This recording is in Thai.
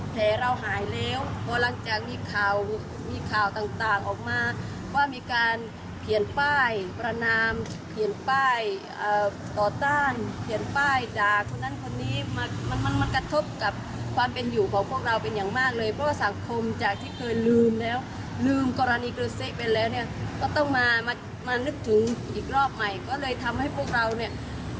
ทำให้พวกเราอยู่ในสังคมนี้ได้ค่อนข้างที่จะยากมาก